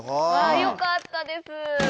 よかったです！